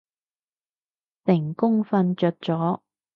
成功瞓着咗